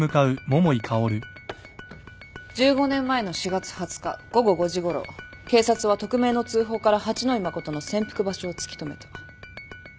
１５年前の４月２０日午後５時ごろ警察は匿名の通報から八野衣真の潜伏場所を突き止めた。